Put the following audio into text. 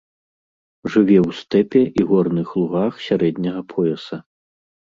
Жыве ў стэпе і горных лугах сярэдняга пояса.